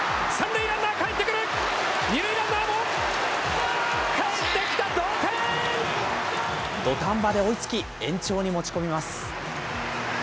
２塁ランナーも、かえってきた、土壇場で追いつき、延長に持ち込みます。